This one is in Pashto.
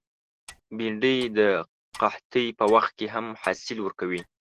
بېنډۍ د قحطۍ په وخت کې هم حاصل ورکوي